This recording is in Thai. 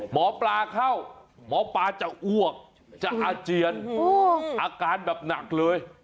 หมอปลาเข้าหมอปลาจะอ้วกจะอาเจียนอาการแบบหนักเลย